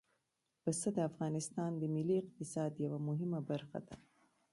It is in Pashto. پسه د افغانستان د ملي اقتصاد یوه مهمه برخه ده.